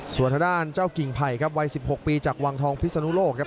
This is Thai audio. ส่วนทางด้านเจ้ากิ่งไผ่ครับวัย๑๖ปีจากวังทองพิศนุโลกครับ